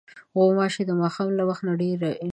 غوماشې د ماښام له وخت نه ډېرې شي.